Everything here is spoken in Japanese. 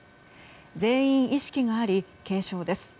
全員意識があり軽症です。